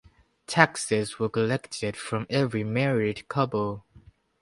Taxes were collected from every married couple.